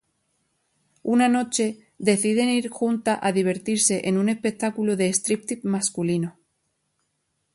Una noche, deciden ir juntas a divertirse en un espectáculo de striptease masculino.